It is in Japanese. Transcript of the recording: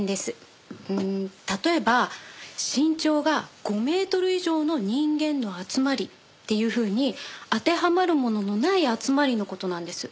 うん例えば身長が５メートル以上の人間の集まりっていうふうに当てはまるもののない集まりの事なんです。